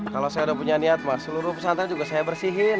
kalau saya udah punya niat mas seluruh pesantren juga saya bersihin